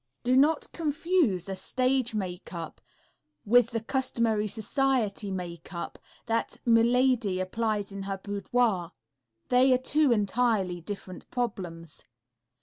Do not confuse a stage makeup with the customary society makeup that milady applies in her boudoir. They are two entirely different problems.